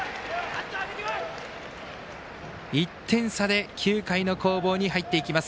１点差で９回の攻防に入っていきます。